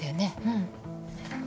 うん。